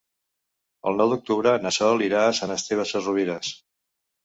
El nou d'octubre na Sol irà a Sant Esteve Sesrovires.